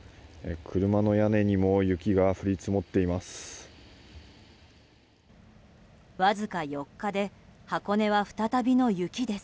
車の屋根にも雪が降り積もっています。